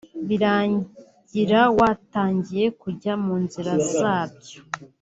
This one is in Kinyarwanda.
birangira watangiye kujya mu nzira zabyo